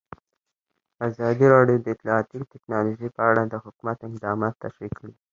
ازادي راډیو د اطلاعاتی تکنالوژي په اړه د حکومت اقدامات تشریح کړي.